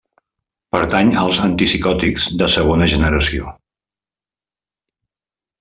Pertany als antipsicòtics de segona generació.